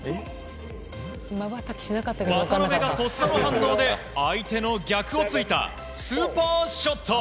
渡辺がとっさの反応で相手の逆を突いたスーパーショット！